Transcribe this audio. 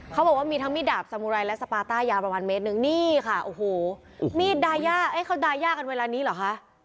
เขาบอกว่ามีทั้งมีดดาบสมูไรและสปาต้ายาประมาณเมตรหนึ่งนี่ค่ะมีดดาย่ากันเวลานี้เหรอคะ